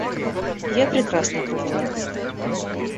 Я прекрасно провела.